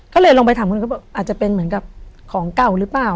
ก็เลยลงไปถามคุณก็บอกอาจจะเป็นเหมือนกับของเก่าหรือเปล่า